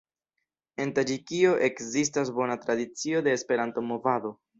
En Taĝikio ekzistas bona tradicio de Esperanto-movado.